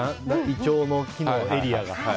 イチョウの木のエリアが。